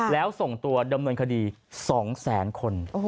แล้วส่งตัวดำเนินคดี๒แสนคน